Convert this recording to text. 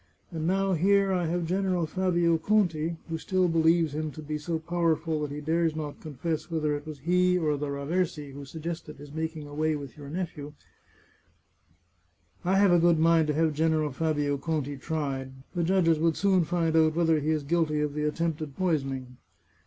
And now here I have General Fabio Conti, who still believes him to be so powerful that he dares not confess whether it was he or the Raversi who suggested his making away with your nephew, I have a good mind to have General Fabio Conti tried. The judges would soon find out whether he is guilty of the attempted poisoning."